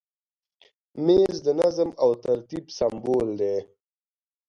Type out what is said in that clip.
مېز د نظم او ترتیب سمبول دی.